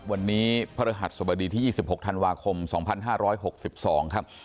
วันนี้พระฤหัสสบดีที่๒๖ธันวาคม๒๕๖๒ครับ